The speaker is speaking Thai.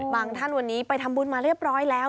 ท่านวันนี้ไปทำบุญมาเรียบร้อยแล้ว